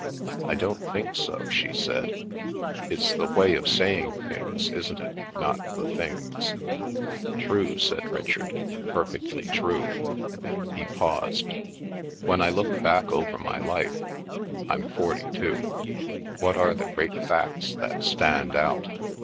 "I don't think so," she said. "It's the way of saying things, isn't it, not the things?" "True," said Richard. "Perfectly true." He paused. "When I look back over my life—I'm forty two—what are the great facts that stand out?